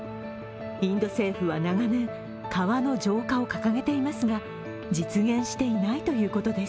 インド政府は長年、川の浄化を掲げていますが実現していないということです。